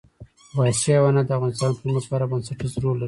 وحشي حیوانات د افغانستان د ټولنې لپاره بنسټيز رول لري.